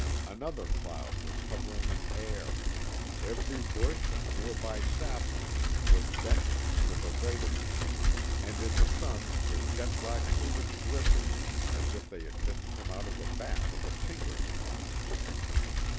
Another cloud was hovering in air; every bush and near by sapling was bending under the weight of them, and in the sun their jet black plumage glistened as if they had just come out of the bath of a tinker's pot.